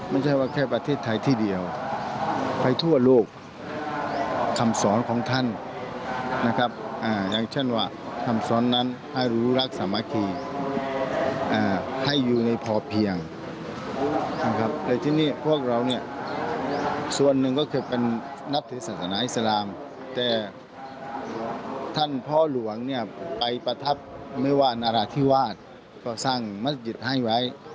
ไม่ว่านราธิวาสก็สร้างมัสจิตให้ไว้